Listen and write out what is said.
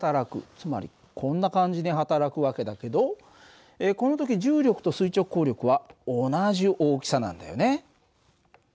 つまりこんな感じに働く訳だけどこの時重力と垂直抗力は同じ大きさなんだよね。